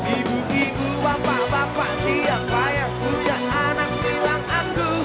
ibu ibu bapak bapak siapa yang punya anak bilang aku